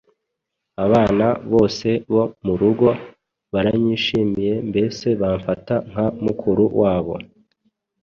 Abana bose bo mu rugo baranyishimiye mbese bamfata nka mukuru wabo